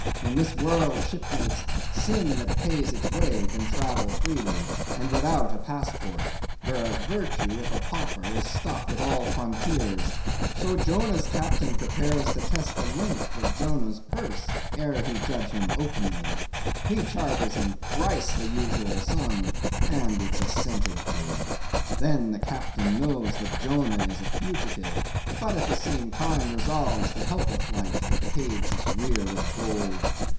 In this world, shipmates, sin that pays its way can travel freely, and without a passport; whereas Virtue, if a pauper, is stopped at all frontiers. So Jonah's Captain prepares to test the length of Jonah's purse, ere he judge him openly. He charges him thrice the usual sum; and it's assented to. Then the Captain knows that Jonah is a fugitive; but at the same time resolves to help a flight that paves its rear with gold.